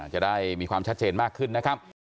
จะได้มีความชัดเจนมากขึ้นนะครับ